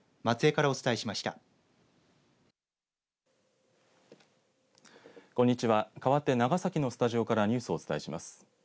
かわって、長崎のスタジオからニュースをお伝えします。